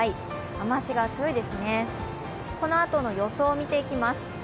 雨足が強いですね、このあとの予想を見ていきます。